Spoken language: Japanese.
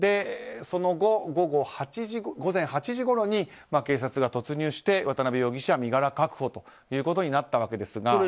その後、午前８時ごろに警察が突入して、渡辺容疑者身柄確保となったわけですが。